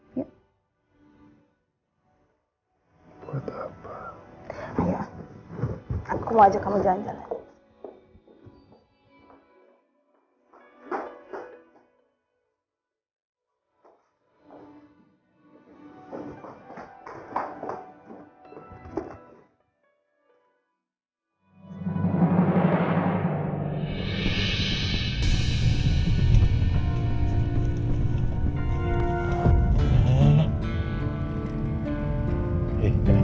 buat apa aku mau ajak kamu jalan jalan